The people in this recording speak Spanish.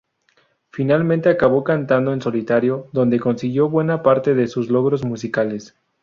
Finalmente acabó cantando en solitario donde consiguió buena parte de sus logros musicales.